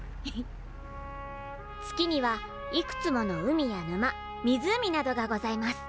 月にはいくつもの海やぬま湖などがございます。